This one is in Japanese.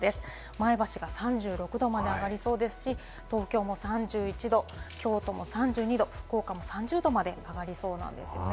前橋が３６度まで上がるそうですし、東京も３１度、京都も３２度、福岡も３０度まで上がりそうなんですね。